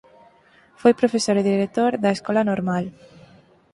Foi profesor e director da Escola Normal.